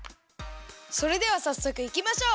それではさっそくいきましょう！